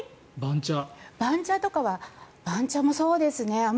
番茶とかもそうですね。